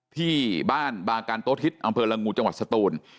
ที่บ้านบากันโต๊ทิศอำเภอละงูจังหวัดสตูน